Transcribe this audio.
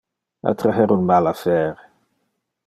Attraher un mal affaire.